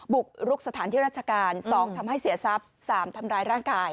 บุกรุกสถานที่ราชการ๒ทำให้เสียทรัพย์๓ทำร้ายร่างกาย